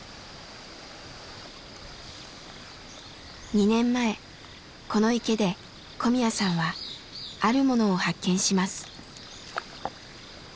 ２年前この池で小宮さんはあるものを発見します。